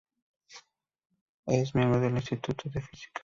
Es miembro del Instituto de Física.